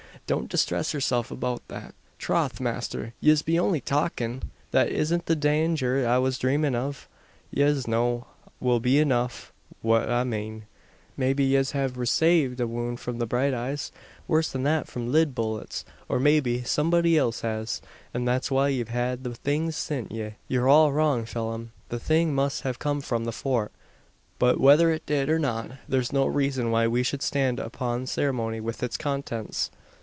Don't distress yourself about that." "Troth, masther, yez be only talkin'. That isn't the danger I was drhamin' av. Yez know will enough what I mane. Maybe yez have resaved a wound from bright eyes, worse than that from lid bullets. Or, maybe, somebody ilse has; an that's why ye've had the things sint ye." "You're all wrong, Phelim. The thing must have come from the Fort; but whether it did, or not, there's no reason why we should stand upon ceremony with its contents.